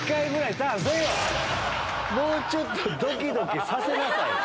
もうちょっとドキドキさせなさい！